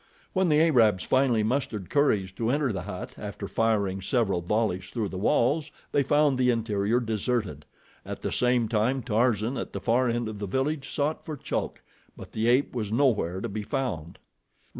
When the Arabs finally mustered courage to enter the hut, after firing several volleys through the walls, they found the interior deserted. At the same time Tarzan, at the far end of the village, sought for Chulk; but the ape was nowhere to be found.